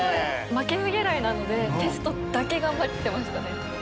負けず嫌いなのでテストだけ頑張ってましたね。